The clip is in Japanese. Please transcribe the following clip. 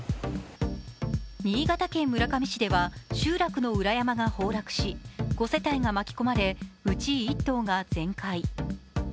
新潟県村上市では集落の裏山が崩落し、５世帯が巻き込まれ、うち１棟が全壊。